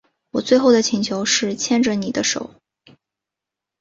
我最后的请求是牵着妳的手